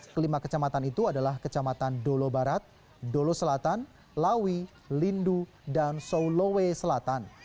kelima kecamatan itu adalah kecamatan dolo barat dolo selatan lawi lindu dan sulawesi selatan